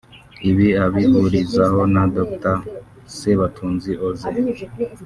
Ibi abihurizaho na Dr Sebatunzi Osee